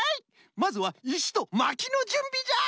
まずはいしとまきのじゅんびじゃ！